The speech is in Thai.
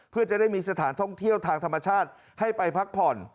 เพื่อจะได้มีสถานท่องเที่ยวทางธรรมชาติให้ไปพักผ่อน